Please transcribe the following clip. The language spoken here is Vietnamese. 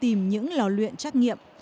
tìm những lò luyện trắc nghiệm